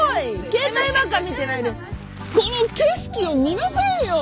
携帯ばっか見てないでこの景色を見なさいよ！